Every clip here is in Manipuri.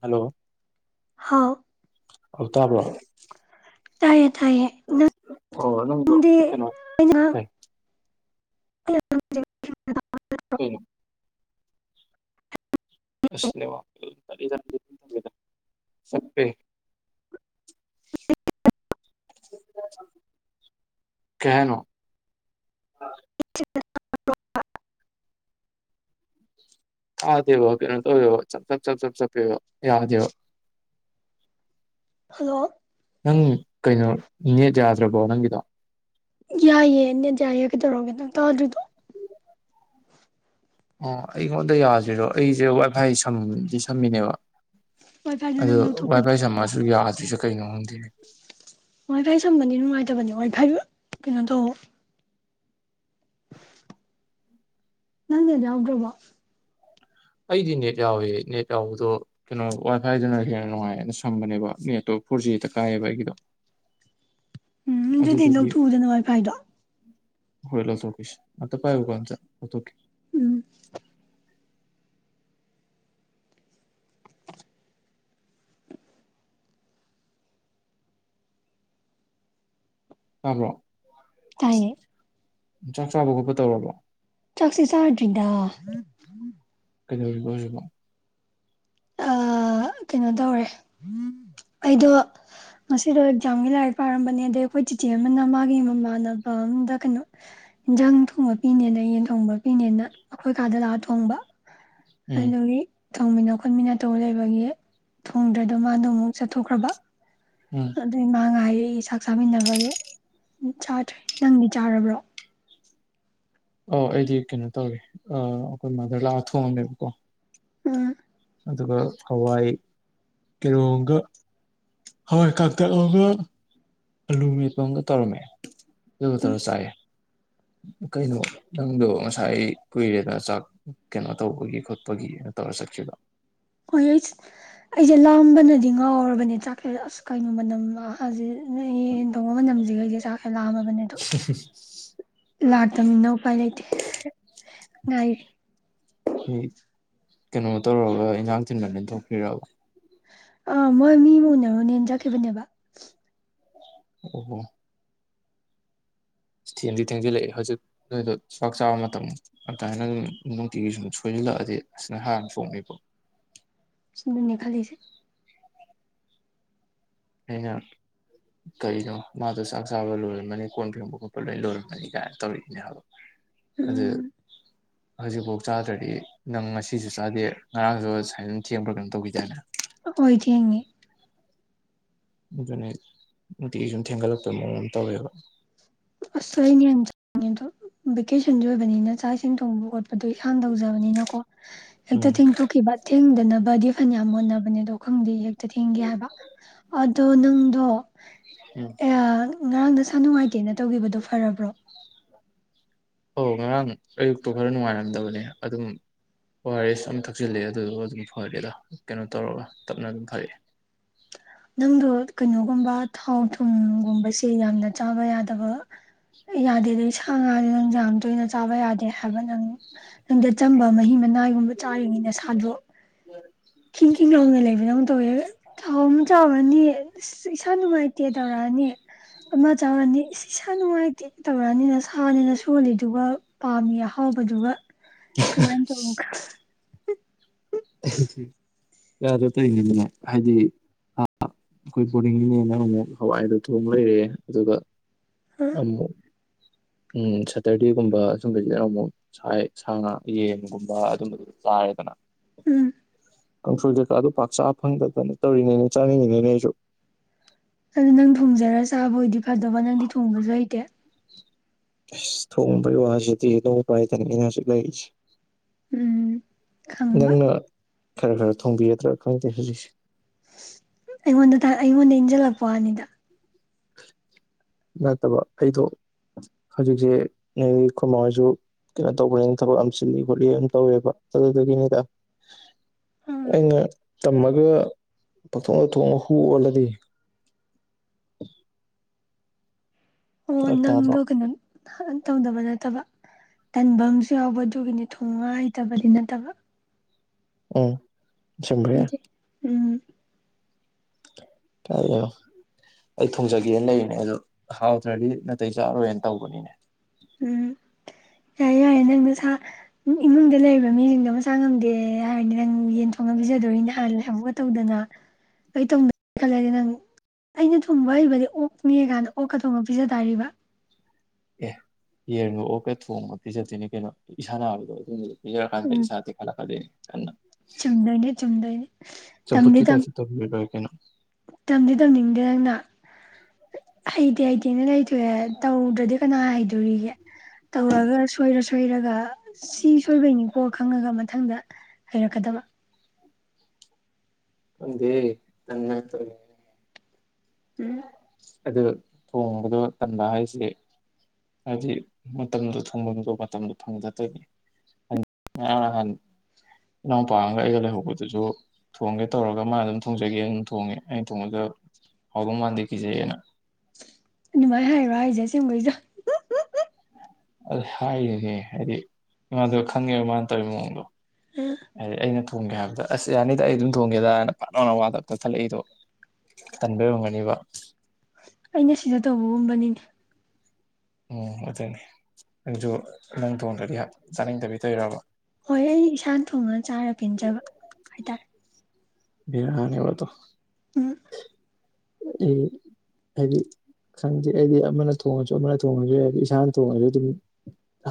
ꯍꯜꯂꯣ ꯍꯥꯎ ꯍꯜꯂꫭ ꯇꯥꯕ꯭ꯔꯣ ꯇꯥꯏꯌꯦ ꯇꯥꯏꯌꯦ ꯑꯣ ꯅꯪꯗꯣ ꯅꯪꯗꯤ ꯀꯅꫭ ꯑꯩꯅ ꯀꯩ [unintelligible] ꯀꯩꯅꯣ ꯑꯁ ꯅꯦꯋꯥꯛ [inaudible] [unintelligible] ꯀꯩ ꯍꯥꯏꯅꯣ ꯇꯥꯗꯦꯕ ꯀꯩꯅꯣ ꯇꯧꯋꯦꯕ ꯆꯞ ꯆꯞ ꯆꯞ ꯆꯞꯄꯦꯕ ꯌꯥꯗꯦꯕꯥ ꯍꯜꯂꯣ ꯅꯪ ꯀꯩꯅꯣ ꯅꯦꯠ ꯌꯥꯗ꯭ꯔꯕꯣ ꯅꯪꯒꯤꯗꯣ ꯌꯥꯏꯌꯦ ꯑ ꯌꯥꯏꯌꯦ ꯀꯗꯧꯔꯣꯒꯦꯗ ꯇ ꯑꯗꯨꯗ ꯑꯣ ꯑꯩꯉꯣꯟꯗ ꯌꯥꯗ꯭ꯔꯣ ꯑꯩꯁꯦ ꯋꯥꯏꯐꯥꯏ ꯁꯝꯗꯤ ꯁꯝꯃꯤꯅꯦꯕ ꯋꯥꯏ ꯐꯥꯏꯗꯣ ꯑꯗ ꯅꯪ ꯋꯥꯏ ꯂꯧꯊꯣꯛꯄꯗꯤ ꯄꯥꯏ ꯁꯃꯁꯨ ꯌꯥꯗ꯭ꯔꯤꯁꯨ ꯀꯩꯅꯣ ꯈꯪꯗꯦꯅꯦ ꯋꯥꯏ ꯐꯥꯏ ꯁꯝꯕꯅꯤ ꯅꯨꯡꯉꯥꯏꯇꯕꯅꯤ ꯋꯥꯏ ꯐꯥꯏ ꯀꯩꯅꯣ ꯇꯧ ꯅꯅꯦꯕ꯭ꯔꯣꯚ ꯑꯩꯗꯤ ꯅꯦꯠ ꯌꯥꯎꯋꯦ ꯅꯦꯠ ꯌꯥꯎꯕꯗꯣ ꯀꯩꯅꯣ ꯋꯥꯏ ꯐꯥꯏꯗꯨꯅ ꯍꯦꯟꯅ ꯅꯨꯡꯉꯥꯏꯅ ꯁꯝꯕꯅꯦꯕ ꯅꯦꯠꯇꯣ ꯐꯣꯔ ꯖꯤꯗ ꯀꯥꯏꯑꯕ ꯑꯩꯒꯤꯗꯣ ꯎꯝ ꯑꯗꯨꯗꯤ ꯑꯗꯨꯗꯨꯒꯤ ꯂꯧꯊꯣꯛꯎꯗꯅ ꯃꯥꯏꯐꯥꯏꯗꯣ ꯍꯣꯏ ꯂ ꯆꯣꯀꯤꯁ ꯑ ꯄꯥꯏ ꯎꯒ ꯆ ꯎꯝ ꯑꯄ꯭ꯔꯣ ꯇꯥꯏ ꯆꯥꯛ ꯆꯥꯕ ꯈꯣꯠꯄ ꯇꯧꯔꯕꯣ ꯆ꯭ꯔꯥꯛꯁꯤꯦ ꯆꯥꯗ꯭ꯔꯤꯗ ꯀꯩꯗꯧꯔꯤꯕ ꯑꯣꯏꯔꯤꯕꯣ [unintelligible] ꯑꯥ ꯀꯩꯅꯣ ꯇꯧꯔꯦ ꯑꯩꯗꯣ ꯉꯁꯤꯗꯣ ꯑꯦꯛꯖꯥꯝꯒꯤ ꯂꯥꯏꯔꯤꯛ ꯄꯥꯔꯝꯕꯅꯦ ꯑꯗꯩ ꯑꯩꯈꯣꯏ ꯆꯤꯆꯦ ꯑꯃꯅ ꯃꯥꯒꯤ ꯃꯃꯥꯟꯅꯕ ꯑꯝꯗ ꯀꯩꯅꯣ ꯏꯟꯖꯥꯡ ꯊꯣꯡꯕ ꯄꯤꯅꯦꯅ ꯌꯦꯟ ꯊꯣꯡꯕ ꯄꯤꯅꯦꯅ ꯑꯩꯈꯣꯏ ꯀꯥꯗ ꯂꯥꯛꯑ ꯊꯣꯡꯕ ꯑꯩ ꯎꯝ ꯅꯪꯒꯤ ꯊꯣꯡꯃꯤꯟꯅ ꯈꯣꯠꯃꯤꯟꯅ ꯇꯧ ꯂꯩꯕꯒꯤ ꯊꯣꯡꯗ꯭ꯔꯗꯣ ꯃꯥꯗꯣ ꯑꯃꯨꯛ ꯆꯠꯊꯣꯛꯈ꯭ꯔꯕ ꯎꯝ ꯑꯗꯨ ꯏꯃꯥ ꯉꯥꯏ ꯑꯩ ꯆꯥꯛ ꯆꯥꯃꯤꯟꯅꯕꯒꯤ ꯆꯥꯗ꯭ꯔꯦ ꯅꯪꯗꯤ ꯆꯥꯔꯕ꯭ꯔꯣ ꯑꯣ ꯑꯩꯗꯤ ꯀꯩꯅꯣ ꯇꯧꯋꯦ ꯑꯩꯈꯣꯏ ꯃꯥꯗꯔ ꯂꯥꯛꯑ ꯊꯣꯡꯉꯝꯃꯦꯕꯀꯣ ꯑꯝ ꯑꯗꯨꯒ ꯍꯋꯥꯏ ꯀꯤꯔꯣꯡꯒ ꯍꯔ ꯀꯛꯇꯕ ꯂꯨꯃꯤꯄꯣꯡꯒ ꯇꯔꯃꯦ ꯎꯝ ꯇꯔ ꯆꯥꯏ ꯀꯩꯅꯣ ꯅꯪꯗꯣ ꯉꯁꯥꯏ ꯀꯨꯏꯔꯦꯗ ꯆꯥꯛ ꯀꯩꯅꯣ ꯇꯧꯕꯒꯤ ꯈꯣꯠꯄꯒꯤ ꯇꯧꯔ ꯆꯀꯤꯗ ꯍꯣꯏ ꯑꯩ ꯑꯩꯁꯦ ꯂꯥꯝꯕꯅꯗꯤ ꯉꯥꯎꯔꯕꯅꯦ ꯆꯥꯛꯀ ꯑꯁ ꯀꯩꯅꯣ ꯃꯅꯝꯥꯁꯦ ꯅ ꯌꯦꯟ ꯇꯣꯡꯉ ꯑꯃ ꯅꯝꯁꯤꯈꯩꯁꯦ ꯆꯥꯛ ꯂꯥꯑꯝꯃꯕꯅꯦ ꯑꯗꯨ ꯂꯥꯛꯇꯕꯅꯤꯅ ꯎꯄꯥꯏ ꯂꯩꯇꯦ ꯉ ꯀꯩꯅꯣ ꯇꯧꯔꯒ ꯏꯟꯖꯥꯡ ꯊꯤꯟꯕ ꯂꯊꯣꯛꯄꯤꯔꯕ ꯑꯥ ꯃꯣꯏ ꯃꯤ ꯑꯃ ꯎꯅꯔꯨ ꯅꯖꯈꯤꯕꯅꯦꯕ ꯑꯣꯣ ꯊꯦꯡꯗꯤ ꯊꯦꯡꯖꯤꯜꯂꯛꯑꯦ ꯍꯧꯖꯤꯛ ꯅꯣꯏꯗꯣ ꯆꯥꯛ ꯆꯥꯕ ꯃꯇꯝ ꯑꯇꯥꯏꯅ ꯑꯗꯨꯝ ꯅꯨꯡꯇꯤꯒꯤ ꯁꯨꯝ ꯁꯣꯏ ꯄꯨꯜꯂꯛꯑꯗꯤ ꯑꯁꯅꯍꯥꯟꯅ ꯐꯣꯡꯅꯤꯕ ꯁꯤꯅꯅꯦ ꯈꯜꯂꯤꯁꯦ ꯑꯩꯅ ꯀꯔꯤꯅꯣ ꯃꯥꯗꯣ ꯆꯥꯛ ꯆꯥꯕ ꯂꯣꯏꯔꯝꯃꯅꯤ ꯀꯣꯟ ꯐꯕ ꯈꯣꯠꯄ ꯂꯣꯏ ꯂꯣꯏꯔꯝꯃꯅꯤ ꯀꯥꯏꯅ ꯇꯧꯔꯤꯁꯤꯅꯦ ꯍꯥꯏꯕꯣ ꯑꯗꯨꯗ ꯎꯝ ꯍꯧꯖꯤꯛꯐꯥꯎ ꯆꯥꯗ꯭ꯔꯗꯤ ꯅꯪ ꯉꯁꯤꯁꯨ ꯆꯥꯗꯦ ꯉꯔꯥꯡꯁꯨ ꯁꯨꯃꯥꯏꯅ ꯊꯦꯡꯕ꯭ꯔꯥ ꯀꯩꯅꯣ ꯇꯧꯈꯤꯗꯏꯅ ꯍꯣꯏ ꯊꯦꯡꯉꯦ ꯑꯗꯨꯅꯤ ꯅꯨꯡꯇ ꯁꯨꯝ ꯊꯦꯡꯒꯠꯂꯛꯄꯣꯏ ꯃꯑꯣ ꯑꯃ ꯇꯧꯋꯦꯕ ꯑꯁ ꯑꯩꯅꯍꯟꯅ ꯆꯪꯅꯤꯡꯉꯦ ꯑꯗꯣ ꯚꯦꯀꯦꯁꯟꯁꯨ ꯑꯣꯏꯕꯅꯤꯅ ꯆꯥꯛ ꯏꯁꯤꯡ ꯊꯣꯡꯕ ꯈꯣꯠꯄꯗꯣ ꯏꯁꯥꯅ ꯇꯧꯖꯕꯅꯤꯅꯀꯣ ꯑꯩꯛꯇ ꯎꯝ ꯊꯤꯡ ꯇꯨ ꯀꯈꯤꯕꯕ ꯊꯤꯡꯗꯅ ꯕꯗꯤ ꯐꯅꯌꯥꯝ ꯃꯣꯟꯅꯅꯕꯅꯦ ꯑꯗꯣ ꯈꯪꯗꯦ ꯍꯦꯛꯇ ꯊꯦꯡꯒꯦ ꯍꯥꯏꯕ ꯑꯗꯣ ꯅꯪꯗꯣ ꯎꯝ ꯉꯔꯥꯡ ꯅꯁꯥ ꯅꯨꯡꯉꯥꯏꯇꯦꯅ ꯇꯧꯈꯤꯕꯗꯨꯣ ꯐꯔꯕ꯭ꯔꯣ ꯑꯣ ꯉꯔꯥꯡ ꯑꯌꯨꯛꯇꯨ ꯈꯔ ꯅꯨꯡꯉꯥꯏꯔꯝꯗꯕꯅꯦ ꯑꯗꯨꯝ ꯑꯣ ꯑꯥꯔ ꯑꯦꯁ ꯑꯃꯝ ꯊꯛꯆꯤꯂꯑꯦ ꯑꯗꯨꯗꯨ ꯑꯗꯨꯝ ꯐꯔꯦꯗ ꯀꯩꯅꯣ ꯇꯧꯔꯒ ꯇꯞꯅ ꯑꯗꯨꯝ ꯐꯔꯛꯑꯦ ꯅꯪꯗꯣ ꯀꯩꯅꯣꯒꯨꯝꯕ ꯊꯥꯎ ꯊꯨꯝꯒꯨꯝꯕꯁꯦ ꯌꯥꯝꯅ ꯆꯥꯕ ꯌꯥꯗꯕ ꯌꯥꯗꯦ ꯑꯗꯩ ꯁꯥ ꯉꯥꯥꯁ ꯅꯪ ꯌꯥꯝ ꯌꯥꯝ ꯇꯣꯏꯅ ꯆꯥꯕ ꯌꯥꯗꯦ ꯍꯥꯏꯕ ꯅꯪ ꯅꯪꯗ ꯆꯝꯕ ꯃꯍꯤ ꯂꯅꯥꯏꯒꯨꯝꯕ ꯆꯥꯔꯤꯉꯩꯅ ꯁꯥꯗꯣꯛ ꯈꯤꯡ ꯈꯤꯡ ꯂꯥꯎꯅ ꯂꯩꯕꯗ ꯑꯃ ꯇꯧꯋꯦ ꯊ ꯆꯥꯎꯔꯅꯤ ꯏꯁꯥ ꯅꯨꯡꯉꯥꯏꯇꯦ ꯇꯧꯔꯛꯑꯅꯤ ꯑꯃ ꯆꯥꯎꯔꯅꯤ ꯏꯁꯥ ꯅꯨꯡꯉꯥꯏꯇꯦ ꯇꯧꯔꯛꯑꯅꯤꯅ ꯁꯥꯅꯤꯅ ꯁꯣꯜꯂꯤꯗꯨꯒ ꯄꯥꯝꯃꯤ ꯑꯍꯥꯎꯕꯗꯨꯒ ꯀꯃꯥꯏꯅ ꯆꯣꯡꯉ ꯌꯥꯗ ꯇꯧꯅꯤꯗꯅꯦ ꯍꯥꯏꯗꯤ ꯑꯩꯈꯣꯏ ꯣꯗꯤꯡꯅꯤꯅꯦ ꯅꯪ ꯑꯃꯨꯛ ꯍꯋꯥꯏꯗ ꯊꯣꯡ ꯂꯩꯔꯛꯑꯦ ꯑꯗꯨꯒ ꯑꯃ ꯎꯝ ꯁꯦꯇꯔꯗꯦꯒꯨꯝꯕ ꯁꯨꯝꯕꯁꯤꯗ ꯑꯃꯨꯛ ꯁꯥꯏ ꯁꯥ ꯉ ꯌꯦꯟꯒꯨꯝꯕ ꯑꯗꯨꯝꯕꯗꯨ ꯆꯥꯏ ꯍꯥꯏꯥꯏꯗꯅ ꯎꯝ ꯀꯥꯡꯁꯣꯏ ꯀꯩꯀꯥꯗꯨ ꯄꯥꯛ ꯆꯥ ꯐꯪꯗꯗꯅ ꯇꯧꯔꯤꯉꯅꯦ ꯆꯥꯅꯤꯡꯉꯤꯅꯦꯅꯦ ꯑꯩꯁꯨ ꯑꯗꯨ ꯅꯪ ꯊꯣꯡꯖꯔ ꯆꯥꯕꯣꯏꯗꯤ ꯐꯗꯕ ꯅꯪꯗꯤ ꯊꯣꯡꯕꯁꯨ ꯍꯩꯇꯦ ꯑ ꯊꯣꯡꯕꯩ ꯋꯥꯁꯤꯗꯤ ꯅꯣꯡ ꯄꯥꯏꯗꯅꯤ ꯑꯩꯅ ꯍꯧꯖꯤꯛ ꯂꯩꯔꯤꯁꯦ ꯎꯝ ꯈꯪꯕ ꯅꯪꯅ ꯈꯔ ꯈꯔ ꯊꯣꯡꯕꯤꯒꯗ꯭ꯔꯥ ꯈꯪꯅꯗ ꯈꯜꯂꯤꯁꯦ ꯑꯩꯉꯣꯟꯗ ꯑꯩꯉꯣꯟꯗ ꯏꯟꯁꯤꯜꯂꯛꯄ ꯑꯅꯤꯗ ꯅꯠꯇꯕ ꯑꯩꯗꯣ ꯍꯧꯖꯤꯛꯒꯤ ꯑꯩ ꯈꯨ ꯃꯉꯁꯨ ꯀꯩꯅꯣ ꯇꯧꯕ꯭ꯔꯅꯤꯅ ꯊꯕꯛ ꯌꯥꯝ ꯆꯜꯂꯤ ꯈꯣꯠꯂꯤ ꯌꯥꯝ ꯇꯧꯋꯦꯕ ꯑꯗꯨꯗꯒꯤꯅꯤꯗ ꯎꯝ ꯑ ꯇꯝꯃꯒ ꯄꯥꯊꯣꯛꯊꯣꯡꯉ ꯍꯨ ꯑꯣꯜꯂꯗꯤ ꯑꯣ ꯐꯔꯛ ꯇꯥꯗ꯭ꯔꯣ ꯅꯪꯗꯣ ꯀꯩꯅꯣ ꯇꯧꯗꯕ ꯅꯠꯇꯦ ꯅꯠꯇꯕ ꯇꯟꯕ ꯑꯃꯁꯨ ꯌꯥꯎꯕ ꯑꯗꯨꯒꯤꯅꯤ ꯊꯣꯡꯉ ꯍꯩꯇꯕꯗꯤ ꯅꯠꯇꯕ ꯎꯝ ꯑꯁꯦꯡꯕꯩ ꯎꯝ ꯀꯗꯣ ꯑꯩ ꯊꯨꯡꯖꯒꯦꯅ ꯂꯩꯔꯤꯅꯦ ꯑꯗꯣ ꯍꯥꯎꯗ꯭ꯔꯗꯤ ꯅꯥꯇꯩ ꯆꯥꯔꯣꯏꯅ ꯇꯧꯕꯅꯤꯅꯦ ꯎꯝ ꯌꯥꯔꯦ [unintelligible] ꯌꯥꯔꯦ ꯅꯪ ꯃꯁꯥ ꯏꯃꯨꯡꯗ ꯂꯩꯔꯤꯕ ꯃꯤꯁꯤꯡꯗꯣ ꯃꯁꯥ ꯉꯝꯗꯦ ꯍꯥꯏꯔꯗꯤ ꯅꯪ ꯌꯦꯟ ꯊꯣꯡꯅ ꯄꯤꯖꯗꯣꯅꯤ ꯍꯥꯏ ꯈꯜꯂꯦ ꯑꯃ ꯇꯧꯗꯅ ꯑꯩ ꯇꯧꯗ ꯈꯜꯂꯗꯤ ꯅꯪ ꯑꯩꯅ ꯊꯣꯡꯕ ꯍꯩꯕꯗꯤ ꯑꯣꯛꯅꯦ ꯀꯥꯟꯅ ꯑꯣꯛ ꯑ ꯊꯣꯡꯕ ꯄꯤꯖ ꯇꯥꯔꯤꯕ ꯑꯦ ꯌꯦꯟ ꯂꯣꯛꯑꯣ ꯀ ꯊꯣꯡꯉꯛꯇꯤ ꯆꯠꯇꯣꯏꯅꯦ ꯀꯩꯅꯣ ꯏꯁꯥ ꯅꯥꯕꯗꯣ ꯖꯀꯥꯟꯗꯒꯤ ꯎꯝ ꯁꯥ ꯈꯂꯛ ꯐꯗ ꯀ ꯆꯨꯝꯗꯣꯏꯅꯦ ꯆꯨꯝꯗꯣꯏꯅꯦ ꯇꯝꯗꯤ ꯆꯝꯐꯨꯠꯀꯤ ꯇꯝ ꯇꯥꯏꯞꯇ ꯇꯧꯕꯤꯔ ꯂꯣꯏꯔꯦ ꯀꯩꯅꯣ ꯇꯝꯗꯤ ꯇꯝꯅꯤꯡꯗꯦ ꯅꯪꯅ ꯍꯩꯗꯤ ꯇꯨꯃꯤꯟꯅ ꯂꯩꯊꯣꯛꯑꯦ ꯇꯧꯗ꯭ꯔꯗꯤ ꯀꯅꯥ ꯍꯩꯗꯣꯔꯤꯒꯦ ꯇꯧꯔꯒ ꯁꯣꯏꯔ ꯁꯣꯏꯔꯒ ꯁꯤ ꯁꯣꯏꯕꯩꯅꯤꯀꯣ ꯈꯪꯉꯒ ꯃꯊꯪꯗ ꯍꯩꯔꯛꯀꯗꯕ [unintelligible] ꯎꯝ ꯑꯗꯨ ꯊꯣꯡꯕꯗꯣ ꯇꯝꯕ ꯍꯥꯏꯁꯦ ꯍꯥꯏꯕꯗꯤ ꯃꯇꯝꯗꯨ ꯊꯝꯐꯝꯗꯣ ꯃꯇꯝꯗꯣ ꯐꯪꯖꯗ꯭ꯔꯦꯃꯤ ꯑ ꯉꯔꯥꯡ ꯉꯍꯥꯟ ꯏꯅꯥꯎꯄꯥ ꯑꯝꯒ ꯑꯩꯒ ꯂꯩꯍꯧꯕꯗꯨꯖꯨ ꯊꯣꯡꯒꯦ ꯇꯧꯔꯒ ꯃꯥ ꯑꯗꯨꯝ ꯊꯣꯡꯖꯒꯦꯅ ꯊꯣꯡꯉꯦ ꯑꯩꯅ ꯊꯣꯡꯉꯖꯨꯌꯥ ꯍꯥꯎꯗꯧ ꯃꯥꯟꯗꯦ ꯀꯤꯖꯩꯌꯦꯅ ꯑꯗꯨꯃꯥꯏꯅ ꯍꯥꯏꯔꯣ ꯍꯥꯏꯖꯦ ꯑꯁꯦꯡꯕꯩꯖ‌ꯣ ꯑꯥꯁ ꯍꯥꯏꯔꯤꯅꯦ ꯍꯥꯏꯗꯤ ꯃꯥꯗꯣ ꯈꯪꯉꯦꯕ ꯃꯥꯅ ꯇꯧꯔꯤ ꯃꯑꯣꯡꯗꯣ ꯑꯗꯩ ꯑꯩꯅ ꯊꯣꯡ ꯊꯣꯡꯒꯦ ꯍꯥꯏꯕꯗ ꯑꯁ ꯌꯥꯅꯤꯗ ꯑꯩ ꯑꯗꯨꯝ ꯊꯣꯡꯒꯦꯗꯥꯅ ꯄꯠ ꯂꯥꯎꯅ ꯋꯥ ꯄꯠ ꯀꯛꯊꯠꯂꯛꯏꯗꯣ ꯀꯟꯕꯩ ꯑꯣꯏꯔꯝꯒꯅꯤꯕꯥ ꯑꯩꯅ ꯁꯤꯗ ꯇꯧꯕꯒꯨꯝꯕꯅꯤꯅꯦ ꯎꯝ ꯑꯗꯨꯅꯤ ꯅꯪꯖꯨ ꯅꯪ ꯊꯣꯡꯗ꯭ꯔꯗꯤ ꯌꯥ ꯆꯥꯅꯤꯡꯗꯕꯤ ꯇꯧꯔꯤꯔꯕ ꯍꯣꯏ ꯑꯩ ꯏꯁꯥꯅ ꯊꯣꯡꯉ ꯆꯥꯔ ꯄꯦꯟꯖꯕ ꯍꯥꯏꯇꯥꯔꯦ ꯚꯦꯂꯨ ꯃꯥꯡꯅꯤ ꯍꯥꯏꯕ ꯑꯗꯣ [unintelligible] [unintelligible] ꯍꯥꯏꯗꯤ ꯁꯟꯖꯦ ꯑꯩꯗꯤ ꯑꯃꯅ ꯊꯣꯡꯉꯁꯨ ꯑꯃꯅ ꯊꯣꯡꯉꯁꯨ ꯌꯥꯏꯕ ꯏꯁꯥꯅ ꯊꯣꯡꯉꯁꯨ ꯑꯗꯨꯝ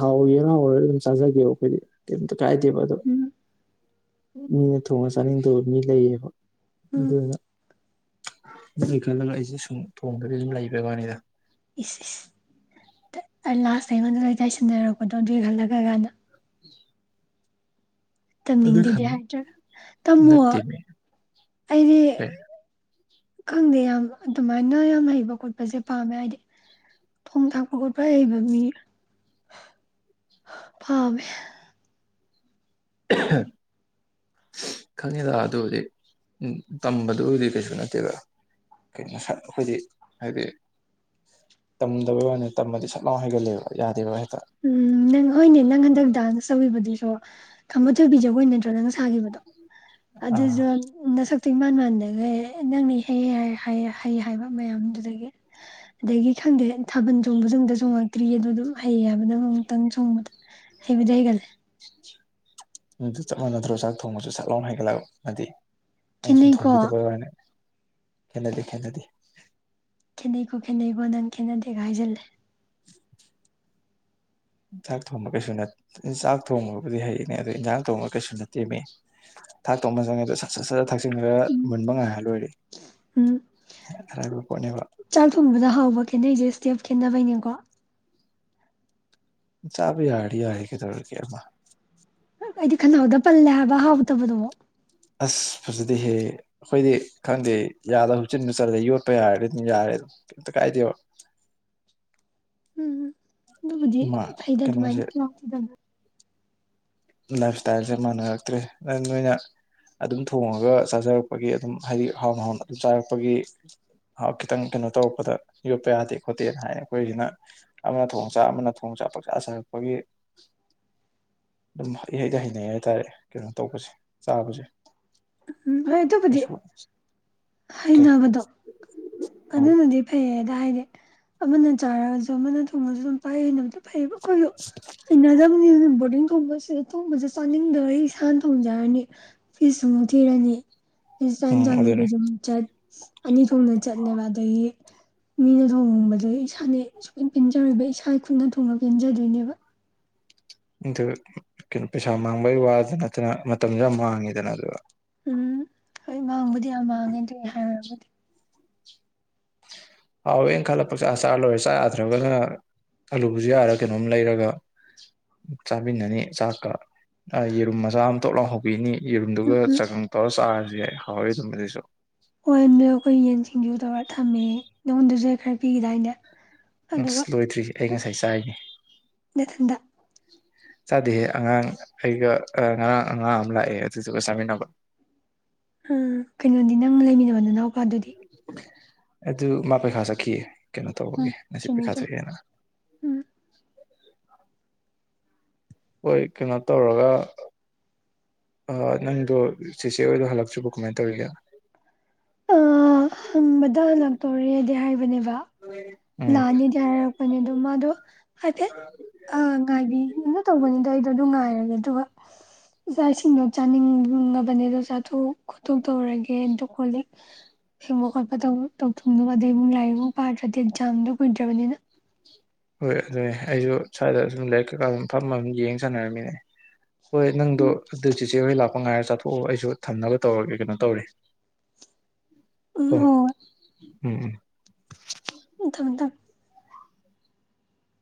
ꯍꯥꯎꯒꯦꯔꯥꯍꯥꯎꯔꯣꯏꯔ ꯑꯗꯨꯝ ꯆꯥꯖꯒꯤꯌꯦꯕ ꯈꯣꯏꯗꯤ ꯀꯩꯝꯇ ꯀꯥꯏꯗꯦꯕ ꯑꯗꯣ ꯎꯝ ꯃꯤꯅ ꯊꯣꯡꯉ ꯆꯥꯅꯤꯡꯗꯕ ꯃꯤ ꯂꯩꯌꯦꯕ ꯎꯝ ꯑꯗꯨꯅ ꯅꯪꯒꯤ ꯈꯜꯂꯒ ꯑꯩꯁꯦ ꯁꯨꯝ ꯊꯣꯡꯗꯕꯤ ꯑꯗꯨꯝ ꯂꯩꯕꯩ ꯋꯥꯅꯤꯗ ꯏꯁ ꯏꯁ ꯇꯠ ꯂꯥꯁꯇ ꯑꯩꯉꯣꯟꯗ ꯂꯣꯏ ꯇꯥꯏꯁꯟꯅꯔꯛꯄꯗꯣ ꯑꯗꯨꯏ ꯈꯜꯂꯒ ꯒꯥꯏꯅ [inaudible] ꯑꯗꯨ ꯇꯝꯅꯤꯡꯗꯦꯗꯤ ꯈꯟ ꯍꯥꯏꯗ꯭ꯔꯒ ꯇꯝꯃꯣ ꯅꯠꯇꯦꯃꯤ ꯑꯩꯗꯤ ꯑꯦ ꯈꯪꯗꯦ ꯌꯥꯝ ꯑꯗꯨꯃꯥꯏꯅ ꯌꯥꯝ ꯍꯩꯕ ꯈꯣꯠꯄꯖꯦ ꯄꯥꯝꯃꯦ ꯍꯥꯏꯗꯤ ꯊꯣꯡ ꯊꯥꯛꯄ ꯈꯣꯠꯄ ꯍꯩꯕ ꯃꯤ ꯄꯥꯝꯃꯦ [unintelligible] ꯈꯪꯉꯤꯗ ꯑꯗꯨꯕꯨꯗꯤ ꯇꯝꯕꯗꯨ ꯕꯨꯗꯤ ꯀꯩꯁꯨ ꯅꯠꯇꯦꯗ ꯀꯩꯅꯣ ꯁꯠ ꯑꯩꯈꯣꯏꯗꯤ ꯍꯥꯏꯗꯤ ꯇꯝꯗꯕꯩ ꯋꯥꯅꯦ ꯇꯝꯃꯗꯤ ꯁꯠ ꯂꯥꯎꯅ ꯍꯩꯒꯠꯂꯦꯕꯥ ꯌꯥꯗꯦꯕ ꯍꯦꯛ ꯎꯝ ꯅꯪ ꯍꯣꯏꯅꯦ ꯅꯪ ꯍꯟꯗꯛ ꯗꯥꯟꯁ ꯇꯧꯒꯤꯕꯗꯨꯁꯣ ꯈꯝꯕ ꯊꯣꯏꯕꯤ ꯖꯒꯣꯏ ꯅꯠꯇ꯭ꯔꯣ ꯅꯪꯅ ꯁꯥ ꯁꯥꯒꯤꯕꯗꯣ ꯑꯥ ꯑꯗꯨꯖꯨ ꯅꯁꯛ ꯇꯨ ꯏꯃꯥꯟ ꯃꯥꯟꯗꯒꯩ ꯅꯪꯅ ꯏꯍꯩ ꯍꯩ ꯍꯩꯌꯦ ꯍꯩ ꯍꯥꯏꯕ ꯃꯌꯥꯝꯗꯨꯗꯒꯤ ꯑꯗꯒꯤ ꯈꯪꯗꯦ ꯊꯥꯕꯟ ꯆꯣꯡꯕꯖꯨ ꯑꯃꯨꯛꯇ ꯆꯣꯡꯉꯛꯇ꯭ꯔꯤꯌꯦ ꯑꯗꯨꯗꯨꯒ ꯍꯩꯌꯦ ꯍꯥꯏꯕ ꯅꯪ ꯑꯃꯨꯛꯇꯪ ꯆꯣꯡꯕꯗ ꯍꯩꯕꯨꯗꯤ ꯍꯩꯒꯜꯂꯦ ꯃꯗꯨ ꯆꯞ ꯃꯥꯟꯅꯗ꯭ꯔꯣ ꯆꯥꯛ ꯊꯣꯡꯕꯁꯨ ꯁꯠꯂꯥꯎ ꯍꯩꯒꯠꯂꯛ ꯑꯗꯤ ꯑꯩꯅ ꯁꯨꯝ ꯈꯦꯠꯅꯩꯀꯣ ꯊꯣꯡꯕꯤꯗꯕ ꯋꯥꯅꯦ ꯈꯦꯠꯅꯗꯦ ꯈꯦꯠꯅꯗꯦ ꯅꯤ ꯀꯣ ꯈꯦꯠꯅꯩꯀꯣ ꯅꯪ ꯈꯦꯠꯅꯗꯦꯒ ꯍꯥꯢꯖꯤꯜꯂꯦ [inaudible] ꯆꯥꯛ ꯊꯣꯡꯕ ꯀꯩꯁꯨ ꯅꯠ ꯆꯥꯛ ꯊꯣꯡꯕꯕꯨꯗꯤ ꯍꯩꯌꯦꯅꯦ ꯑꯗꯣ ꯏꯟꯖꯥꯡ ꯊꯣꯡꯕ ꯀꯩꯁꯨ ꯅꯠꯇꯦ ꯃꯦ ꯊꯥꯛ ꯊꯣꯡꯕ ꯆꯪꯉꯒ ꯁꯠ ꯁꯠ ꯁꯠ ꯊꯥꯛꯆꯤꯟꯒ꯭ꯔꯒ ꯃꯨꯟꯕ ꯉꯥꯏꯔ ꯂꯣꯏꯔꯦ ꯎꯝ ꯑꯔꯥꯏꯕ ꯄꯣꯠꯅꯦꯕ ꯆꯥꯛ ꯊꯣꯡꯕꯗ ꯍꯥꯎꯕ ꯈꯦꯠꯅꯩꯁꯦ ꯁ꯭ꯇꯦꯞ ꯈꯦꯠꯅꯕꯩꯅꯦꯀꯣ ꯆꯥꯕ ꯌꯥꯔꯗꯤ ꯌꯥꯔꯦ ꯀꯧꯗꯧꯔꯒꯦ ꯑꯩꯃ ꯑꯩꯗꯤ ꯈꯅꯥꯎꯗ ꯄꯜꯂꯦ ꯍꯥꯏꯕ ꯍꯥꯎꯇꯕꯗꯣ ꯑꯁ ꯐꯖꯗꯦꯍꯦ ꯑꯩꯈꯣꯏꯗꯤ ꯈꯪꯗꯦ ꯌꯥꯗ ꯍꯨꯛꯆꯤꯟꯕ ꯆꯜꯂꯦ ꯌꯣꯠꯄ ꯌꯥꯔꯗꯤ ꯑꯗꯨꯝ ꯌꯥꯔꯦ ꯑꯗꯨꯝ ꯀꯩꯝꯇ ꯀꯥꯏꯗꯦꯕ ꯎꯝ ꯑꯗꯨꯕꯨꯗꯤ ꯃꯥ ꯐꯩꯗ ꯀꯩꯅꯣꯁꯦ ꯑꯗꯨꯃꯥꯏꯅꯗ ꯂꯥꯏꯞ ꯏꯁꯇꯥꯏꯜꯁꯦ ꯃꯥꯟꯅꯔꯛꯇ꯭ꯔꯦ ꯅꯣꯏꯅ ꯑꯗꯨꯝ ꯊꯣꯡꯉꯒ ꯆꯥꯖꯔꯛꯄꯒꯤ ꯑꯗꯨꯝ ꯍꯥꯏꯗꯤ ꯍꯥꯎꯅ ꯍꯥꯎꯅ ꯑꯗꯨꯝ ꯆꯥꯔꯛꯄꯒꯤ ꯈꯤꯇꯪ ꯀꯩꯅꯣ ꯇꯧꯔꯛꯄꯗ ꯌꯣꯠꯄ ꯌꯥꯗꯦ ꯈꯣꯠꯇꯦꯅ ꯍꯥꯏ ꯑꯩꯈꯣꯏꯁꯤꯅ ꯑꯃꯅ ꯊꯣꯡ ꯆꯥꯛ ꯑꯃꯅ ꯊꯣꯡ ꯆ ꯄꯁꯄꯒꯤ ꯑꯗꯨꯝ ꯏꯍꯩꯗ ꯍꯩꯅꯩ ꯍꯥꯏꯇꯥꯔꯦ ꯀꯩꯅꯣ ꯇꯧꯕꯁꯦ ꯆꯥꯕꯁꯦ ꯎꯝ ꯍꯣꯏ ꯇꯕꯨꯗꯤ ꯀꯩꯁꯨ ꯀꯩ ꯍꯩꯅꯕꯗꯣ ꯑꯗꯨꯅꯗꯤ ꯐꯩꯌꯦꯗ ꯍꯥꯏꯗꯤ ꯑꯃꯅ ꯆꯥꯔꯒꯁꯨ ꯑꯃꯅ ꯊꯣꯡꯉꯁꯨ ꯑꯗꯨꯝ ꯄꯥꯏ ꯍꯩꯅꯕꯗꯣ ꯐꯩꯌꯦꯕ ꯑꯩꯈꯣꯏꯁꯨ ꯍꯩꯅꯖꯕꯅꯤ ꯑꯗꯨꯝ ꯕꯣꯔꯗꯤꯡ ꯊꯣꯡꯕꯁꯦ ꯊꯣꯡꯕꯁꯦ ꯆꯥꯅꯤꯡꯗꯔ ꯏꯁꯥꯅ ꯊꯣꯡꯖꯔꯅꯤ ꯐꯤꯁꯁꯨ ꯃꯨꯊꯤꯔꯅꯤ ꯈ꯭ꯔꯤꯁꯇꯤꯌꯥꯟ ꯎꯝ ꯆꯥꯡ ꯑꯗꯨꯅꯦ ꯂꯩꯩꯕꯩꯖ ꯆꯔꯆ ꯑꯅꯤ ꯊꯣꯛꯅ ꯆꯠꯂꯦꯕ ꯑꯗꯒꯤ ꯃꯤꯅc ꯊꯣꯡꯕꯗ ꯏꯁꯥꯅ ꯁꯨ ꯄꯦꯟꯖꯔꯨꯕ ꯏꯁꯥ ꯏ ꯈꯨꯅ ꯊꯣꯡꯉ ꯄꯦꯟꯖꯗꯣꯏꯅꯦꯕ ꯑꯗꯨ ꯀꯩꯅꯣ ꯄꯩꯁꯥ ꯃꯥꯡꯕꯒꯤ ꯋꯥꯗ ꯅꯠꯇꯅ ꯃꯇꯝꯁꯨ ꯌꯥꯝ ꯃꯥꯡꯉꯤꯗꯅ ꯑꯗꯨꯒ ꯎꯝ ꯍꯣꯏ ꯃꯥꯡꯕꯨꯗꯤ ꯌꯥꯝ ꯃꯥꯡꯉꯦꯕꯨꯗꯤ ꯍꯥꯎ ꯏ ꯈꯂ ꯄ ꯆꯂꯁꯥꯏ꯭ꯔꯒ ꯑꯂꯨꯕꯨꯁꯨ ꯌꯥꯔ ꯀꯩꯅꯣꯝ ꯂꯩꯔꯒ ꯆꯥꯃꯤꯟꯅꯅꯤ ꯆꯥꯛꯀ ꯌꯦꯔꯨꯝ ꯃꯆꯥ ꯑꯃꯇꯣꯞ ꯂꯥꯎꯍꯧꯕꯤꯅꯤ ꯎꯝ ꯌꯦꯔꯨꯝꯗꯨꯒ ꯎꯝ ꯆꯥꯛꯀꯪ ꯇꯧꯔ ꯆꯥꯔꯁꯨ ꯌꯥ ꯍꯥꯎꯋꯦ ꯑꯗꯨꯗꯨꯁꯨ [unintelligible] ꯍꯣꯏ ꯑꯗꯨꯗ ꯑꯩꯈꯣꯏ ꯌꯦꯟ ꯁꯤꯡꯖꯨ ꯇꯧꯔꯒ ꯊꯝꯃꯦ ꯅꯉꯣꯟꯗꯁꯨ ꯈꯔ ꯄꯤꯒꯗꯥꯏꯗ ꯑꯁ ꯂꯣꯏꯗ꯭ꯔꯤ ꯑꯩ ꯉꯁꯥꯏ ꯆꯥꯏꯔꯤꯅꯤ ꯅ ꯊꯟꯗ ꯆꯥꯗꯦꯍꯦ ꯑꯉꯥꯡ ꯑꯩꯒ ꯑꯉꯥꯡ ꯑꯉꯥꯡ ꯑꯃ ꯂꯥꯛꯑꯦ ꯑꯗꯨꯗꯨꯒ ꯆꯥꯃꯤꯟꯅꯕ [unintelligible] ꯎꯝ ꯀꯩꯅꯣꯗꯤ ꯂꯩꯃꯤꯟꯅꯕ ꯅꯅꯥꯎꯄꯥ ꯑꯗꯨꯗꯤ ꯑꯗꯨ ꯃꯥ ꯄꯩꯈꯥ ꯆꯠꯈꯤꯌꯦ ꯀꯩꯅꯣ ꯎꯝ ꯇꯧꯕꯒꯤꯦ ꯉꯁꯤ ꯆꯨꯝꯃꯤ ꯆꯨꯝꯃꯤ ꯄꯩꯈꯥꯖꯒꯦꯅ ꯎꯝ ꯍꯣꯏ ꯀꯩꯅꯣ ꯇꯧꯔꯒ ꯅꯪꯗꯣ ꯁꯤꯆꯦ ꯑꯣꯏꯗꯣ ꯍꯜꯂꯛꯆꯕ ꯀꯃꯥꯏꯅ ꯇꯧꯔꯤꯒꯦ ꯇꯧꯔꯦꯗꯤꯦ ꯍꯥꯏꯕꯅꯦ ꯎꯝ ꯂꯥꯟꯅꯤꯗꯤ ꯍꯥꯏꯔꯔꯛꯄꯅꯦ ꯑꯗꯣ ꯃꯥꯗꯣ ꯍꯥꯏꯐꯦꯠ ꯑ ꯉꯥꯏꯕꯤ ꯑꯗꯨꯅ ꯇꯧꯕꯅꯤꯗ ꯑꯩꯗꯣ ꯑꯗꯨꯝ ꯉꯥꯏꯔꯒꯦ ꯑꯗꯨꯒ ꯏꯆꯥ ꯏꯁꯤꯡꯗꯣ ꯆꯥꯅꯤꯡꯉꯕꯅꯦꯗꯣ ꯆꯥꯊꯣꯛ ꯈꯣꯠꯇꯣꯛ ꯇꯧꯔꯒꯦꯗ ꯈꯣꯂ ꯎ ꯍꯦꯡꯕ ꯈꯣꯠꯄ ꯇꯧ ꯊꯨꯡꯗꯕ ꯑꯗꯩꯕꯨꯡ ꯂꯥꯏꯔꯤꯛ ꯑꯃꯨꯛ ꯄꯥꯗ꯭ꯔꯗꯤ ꯑꯦꯛꯖꯥꯝꯗꯣ ꯀꯨꯏꯗ꯭ꯔꯕꯅꯤꯅ ꯍꯣꯏ ꯑꯗꯨꯅꯦ ꯑꯩꯁꯨ ꯁ꯭ꯋꯥꯏꯗ ꯁꯨꯝ ꯂꯥꯏꯔꯤꯛ ꯀꯩꯀꯥ ꯑꯗꯨꯝ ꯐꯝꯐꯝꯝ ꯌꯦꯡ ꯁꯥꯟꯅꯔꯝꯃꯤꯅꯦ ꯍꯣꯏ ꯅꯪꯗꯣ ꯎꯝ ꯑꯗꯨ ꯆꯁꯦ ꯍꯣꯏ ꯂꯥꯛꯄ ꯉꯥꯏꯔ ꯆꯠ ꯊꯣꯛꯑꯣ ꯑꯩꯁꯨ ꯊꯝꯅꯕ ꯇꯧꯔꯒꯦ ꯀꯩꯅꯣ ꯇꯧꯔꯤ ꯎꯝ ꯍꯣ ꯍꯣꯏ ꯎꯝ ꯇꯗ